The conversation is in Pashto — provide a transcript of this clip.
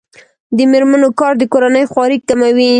د میرمنو کار د کورنۍ خوارۍ کموي.